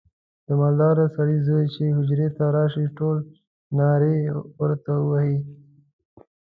د مالداره سړي زوی چې حجرې ته راشي ټول نارې ورته وهي.